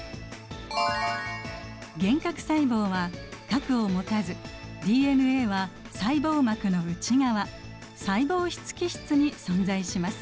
原核細胞は核を持たずＤＮＡは細胞膜の内側細胞質基質に存在します。